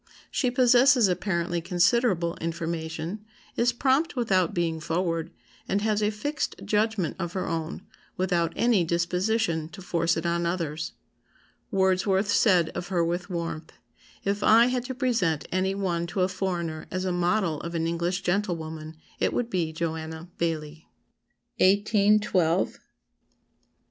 She possesses apparently considerable information, is prompt without being forward, and has a fixed judgment of her own, without any disposition to force it on others. Wordsworth said of her with warmth, 'If I had to present any one to a foreigner as a model of an English gentlewoman, it would be Joanna Baillie.'" 1812. [Sidenote: S. C.